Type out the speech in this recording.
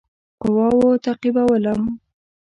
قواوو تعقیبولم.